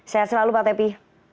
saya selalu pak tevi